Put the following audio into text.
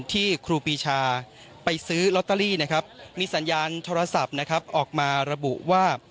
ที่ครูปิชาไปซื้อล็อตเตอรี่มีสัญญาณโทรศัพท์ออกมาระบุว่า